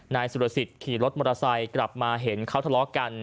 นายสุรสิทธิ์ขี่รถมอเตอร์ไซค์กลับมาเห็นเขาทะเลาะกัน